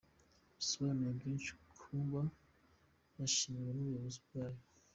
Bisobanuye byinshi kuba yashimiwe ubushobozi bwayo.